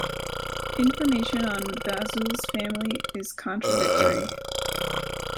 Information on Vazul's family is contradictory.